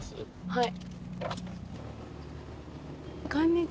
はい。